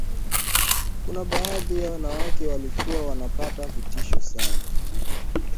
Kuna baadhi ya wanawake walikuwa wanapata vitisho sana